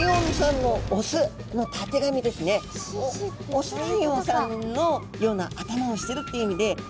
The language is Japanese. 雄ライオンさんのような頭をしてるっていう意味で。